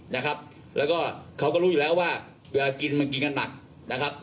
แล้วก็เขาก็รู้อยู่แล้วว่าเวลากินมันกินกันหนัก